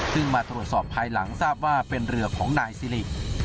ซึ่งมาตรวจสอบภายหลังทราบว่าเป็นเรือของนายสิริ